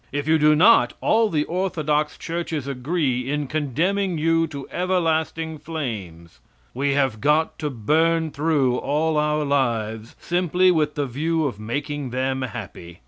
If you do not, all the orthodox churches agree in condemning you to everlasting flames. We have got to burn through all our lives simply with the view of making them happy.